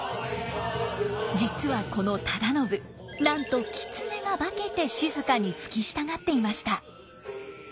実はこの忠信なんと狐が化けて静に付き従っていました。